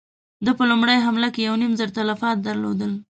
ده په لومړۍ حمله کې يو نيم زر تلفات درلودل.